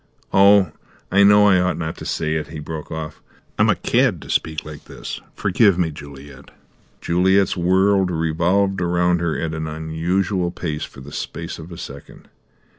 Oh, I know I ought not to say it," he broke off; "I'm a cad to speak like this. Forgive me, Juliet." Juliet's world revolved around her at an unusual pace for the space of a second.